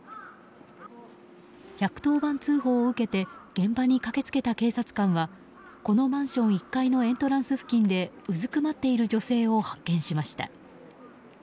１１０番通報を受けて現場に駆け付けた警察官はこのマンション１階のエントランス付近でうずくまっている女性を発見しました。